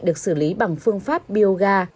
được xử lý bằng phương pháp bioga